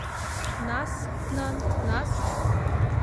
Нас, нан, нас?